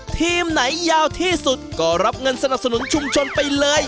ทีมไหนยาวที่สุดก็รับเงินสนับสนุนชุมชนไปเลย